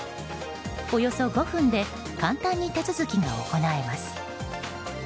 およそ５分で簡単に手続きが行えます。